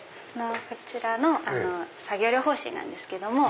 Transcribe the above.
こちら作業療法士なんですけども。